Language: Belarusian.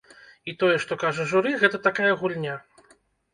І тое, што кажа журы, гэта такая гульня!